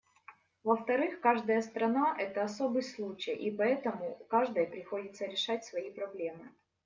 Во-вторых, каждая страна — это особый случай, и поэтому каждой приходится решать свои проблемы.